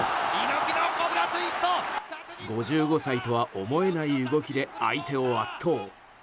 ５５歳とは思えない動きで相手を圧倒。